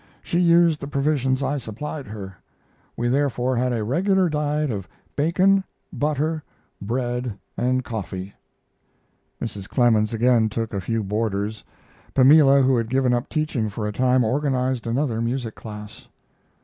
She used the provisions I supplied her. We therefore had a regular diet of bacon, butter, bread, and coffee." Mrs. Clemens again took a few boarders; Pamela, who had given up teaching for a time, organized another music class.